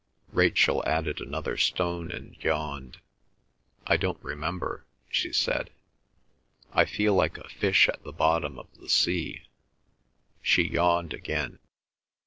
Rachel added another stone and yawned. "I don't remember," she said, "I feel like a fish at the bottom of the sea." She yawned again.